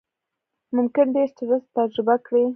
ممکن ډېر سټرس تجربه کړئ،